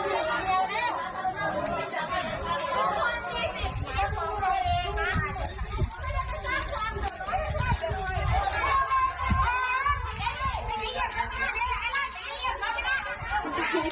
อันที่สุดที